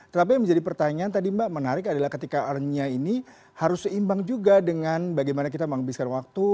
tapi yang menjadi pertanyaan tadi mbak menarik adalah ketika earnia ini harus seimbang juga dengan bagaimana kita menghabiskan waktu